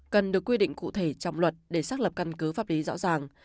cần được quy định cụ thể trong luật để xác lập căn cứ pháp lý rõ ràng